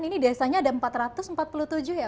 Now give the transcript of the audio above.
ini desanya ada empat ratus empat puluh tujuh ya